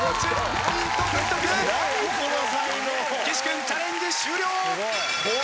岸君チャレンジ終了！